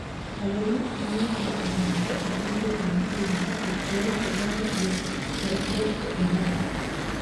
Ayo ni amwe mu magambo agize iyi ndirimbo 'Dutore Kagame' ya Orchestre Impala